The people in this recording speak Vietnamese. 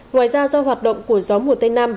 ngoài ra do hoạt động của gió mùa tây nam